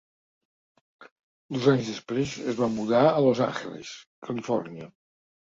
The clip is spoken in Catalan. Dos anys després, es va mudar a Los Angeles, Califòrnia.